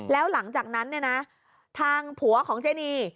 แล้วหลังจากนั้นเนี่ยนะทางผัวของเจนี